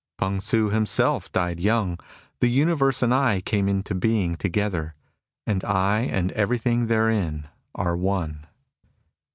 P'^ng Tsu himself died young. The universe and I came into being together ; and I, and everything therein, are One.